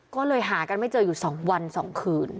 ก็เลยหากันไม่เจออยู่๒วัน๒คืน